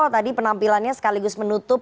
tadi penampilannya sekaligus menutup